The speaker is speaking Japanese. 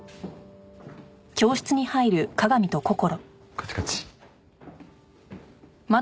こっちこっち。